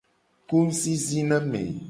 Ku ngusisi na ame.